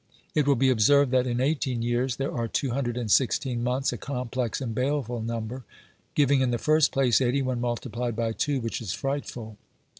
It will be observed that in eighteen years there are two hundred and sixteen months, a complex and baleful number, giving, in the first place, eighty one multipUed by two, which is frightful.